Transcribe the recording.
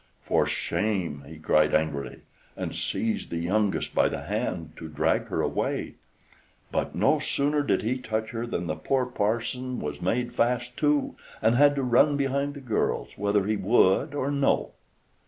"For shame!" he cried angrily, and seized the youngest by the hand to drag her away. But no sooner did he touch her than the poor parson was made fast too, and had to run behind the girls, whether he would or no.